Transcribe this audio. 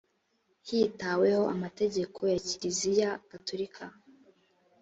hitaweho amategeko ya kiliziya gatolika